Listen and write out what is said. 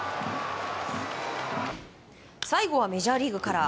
最後はメジャーリーグから。